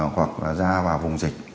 hoặc ra vào vùng dịch